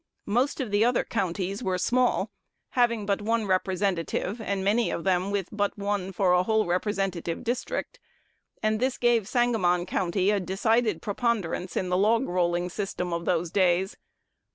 Most of the other counties were small, having but one Representative and many of them with but one for a whole representative district; and this gave Sangamon County a decided preponderance in the log rolling system of those days.